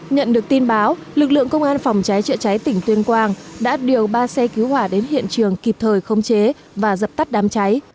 nhận được tin báo lực lượng công an phòng cháy chữa cháy tỉnh tuyên quang đã điều ba xe cứu hỏa đến hiện trường kịp thời khống chế và dập tắt đám cháy